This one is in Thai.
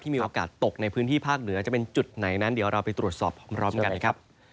มีโอกาสตกในพื้นที่ภาคเหนือจะเป็นจุดไหนนั้นเดี๋ยวเราไปตรวจสอบพร้อมกันครับ